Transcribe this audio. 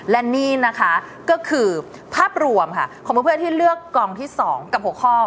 และนี่นะคะก็คือภาพรวมค่ะของเพื่อนที่เลือกกองที่๒กับ๖ข้อ